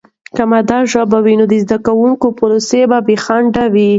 که مادي ژبه وي، نو د زده کړې پروسه به بې خنډه وي.